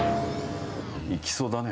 いきそうだね。